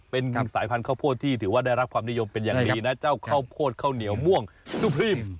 เป็นสายพันธุ์ข้าวโพดที่ถือว่าได้รับความนิยมเป็นอย่างดีนะเจ้าข้าวโพดข้าวเหนียวม่วงซูพรีม